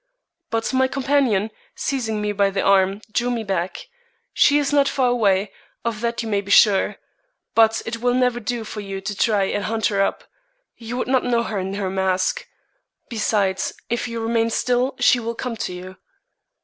But my companion, seizing me by the arm, drew me back. "She is not far away; of that you may be sure. But it will never do for you to try and hunt her up. You would not know her in her mask. Besides, if you remain still she will come to you."